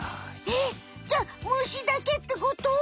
えっ？じゃ虫だけってこと？